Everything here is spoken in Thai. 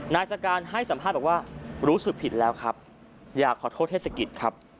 นายสการให้สัมภาษณ์บอกว่ารู้สึกผิดแล้วครับอยากขอโทษเทศกิจครับ